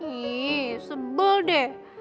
ih sebel deh